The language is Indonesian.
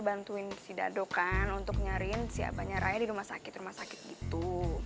bantuin si dado kan untuk nyariin siapanya raya di rumah sakit rumah sakit gitu